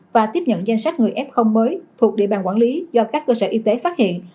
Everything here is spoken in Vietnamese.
và tiếp nhận danh sách người f mới thuộc địa bàn quản lý do các cơ sở y tế phát hiện